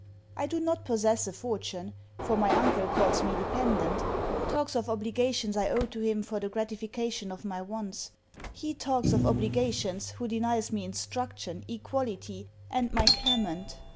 I do not possess a fortune; for my uncle calls me dependent, talks of obligations I owe to him for the gratification of my wants. He talks of obligations, who denies me instruction, equality, and my Clement.